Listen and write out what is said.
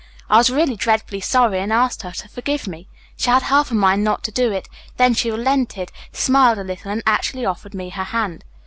I was really dreadfully sorry and asked her to forgive me. She had half a mind not to do it, then she relented, smiled a little and actually offered me her hand.